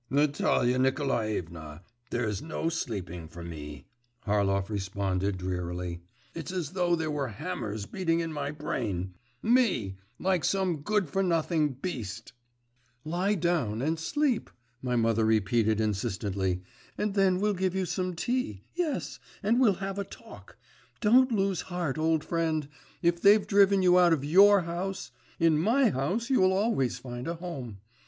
…' 'Natalia Nikolaevna! There's no sleeping for me!' Harlov responded drearily. 'It's as though there were hammers beating in my brain! Me! like some good for nothing beast!…' 'Lie down and sleep,' my mother repeated insistently. 'And then we'll give you some tea, yes, and we'll have a talk. Don't lose heart, old friend! If they've driven you out of your house, in my house you will always find a home.